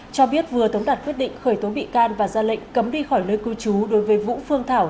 cho biết vừa tống đạt quyết định khởi tố bị can và ra lệnh cấm đi khỏi nơi cư trú đối với vũ phương thảo